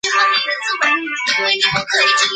多刺腔吻鳕为长尾鳕科腔吻鳕属的鱼类。